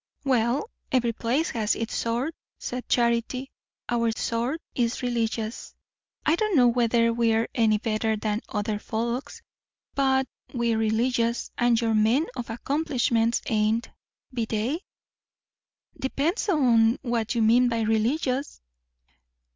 "Well, every place has its sort," said Charity. "Our sort is religious. I don't know whether we're any better than other folks, but we're religious; and your men of accomplishments ain't, be they?" "Depends on what you mean by religious."